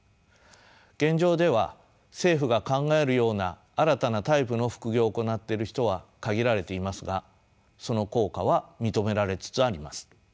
現状では政府が考えるような新たなタイプの副業を行っている人は限られていますがその効果は認められつつあります。